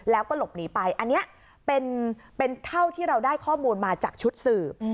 แล้วก็หลบหนีไปอันนี้เป็นเท่าที่เราได้ข้อมูลมาจากชุดสืบ